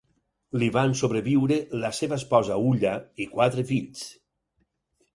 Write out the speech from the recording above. Li van sobreviure la seva esposa Ulla i quatre fills.